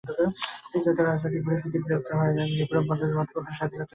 তৃতীয়ত, রাজনৈতিক বিরোধীদের গ্রেপ্তার, হয়রানি, নিপীড়ন বন্ধ করে মতপ্রকাশের স্বাধীনতা নিশ্চিত করা।